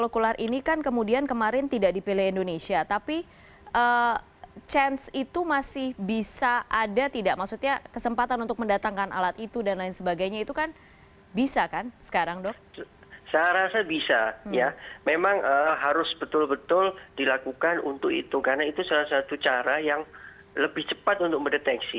karena itu salah satu cara yang lebih cepat untuk mendeteksi